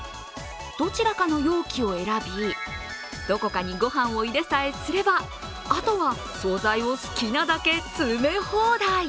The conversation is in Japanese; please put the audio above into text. どちらかの容器を選び、どこかにご飯を入れさえすればあとは総菜を好きなだけ詰め放題。